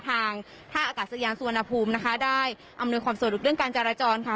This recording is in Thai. ทางท่าอากาศยานสุวรรณภูมินะคะได้อำนวยความสะดวกเรื่องการจราจรค่ะ